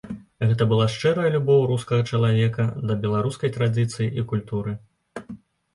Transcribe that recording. Гэта была шчырая любоў рускага чалавека да беларускай традыцыі і культуры.